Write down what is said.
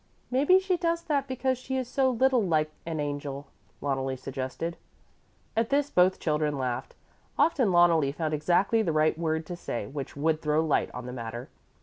"Maybe she does that because she is so little like an angel," Loneli suggested. At this both children laughed. Often Loneli found exactly the right word to say which would throw light on the matter.